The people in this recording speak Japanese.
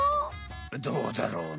どうだろうね？